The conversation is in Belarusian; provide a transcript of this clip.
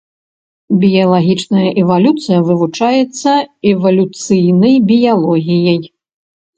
Біялагічная эвалюцыя вывучаецца эвалюцыйнай біялогіяй.